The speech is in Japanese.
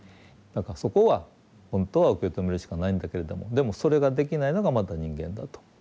だからそこは本当は受け止めるしかないんだけれどもでもそれができないのがまた人間だと。